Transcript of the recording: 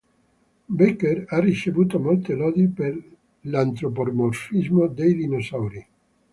Bakker ha ricevuto molte lodi per l'antropomorfismo dei dinosauri.